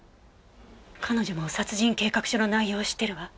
彼女も殺人計画書の内容を知ってるわ。